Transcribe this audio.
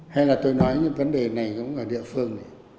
hay là tôi nói vấn đề này cũng ở địa phương